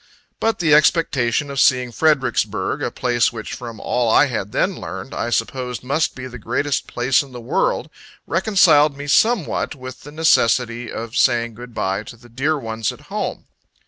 But the expectation of seeing Fredericksburg, a place which, from all I had then learned, I supposed must be the greatest place in the world, reconciled me somewhat with the necessity of saying Good bye to the dear ones at home.